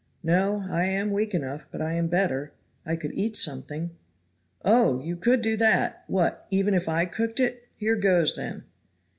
"No, I am weak enough, but I am better I could eat something." "Oh, you could do that! what! even if I cooked it? Here goes, then."